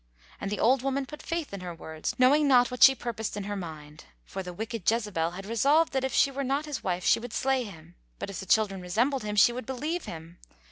And the old woman put faith in her words, knowing not what she purposed in her mind, for the wicked Jezebel had resolved that if she were not his wife she would slay him; but if the children resembled him, she would believe him.